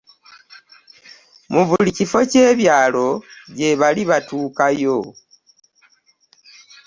Mu buli kifo ky'ebyalo gye bali batuukayo.